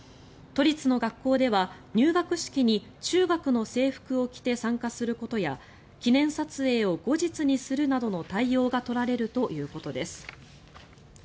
都立の学校では入学式に中学の制服を着て参加することや記念撮影を後日にするなどの対応が取られるということです。